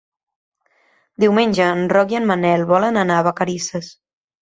Diumenge en Roc i en Manel volen anar a Vacarisses.